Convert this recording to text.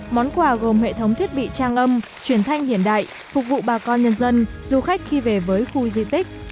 món quà gồm hệ thống thiết bị trang âm truyền thanh hiện đại phục vụ bà con nhân dân du khách khi về với khu di tích